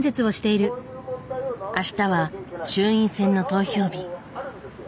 あしたは衆院選の投票日。